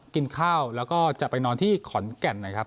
กินข้าวแล้วก็จะไปนอนที่ขอนแก่นนะครับ